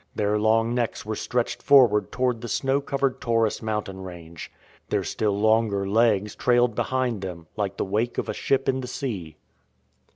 Their long necks were stretched forward toward the snow covered [Taurus mountain range. Their still longer legs trailed behind them, like the wake of a ship in the sea.